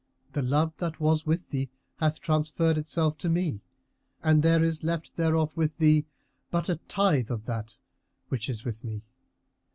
The love that was with thee hath transferred itself to me and there is left thereof with thee but a tithe of that which is with me."